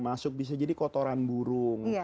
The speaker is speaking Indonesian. masuk bisa jadi kotoran burung